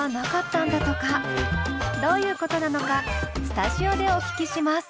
どういうことなのかスタジオでお聞きします。